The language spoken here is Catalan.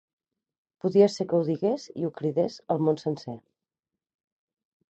Podia ser que ho digués i ho cridés al món sencer!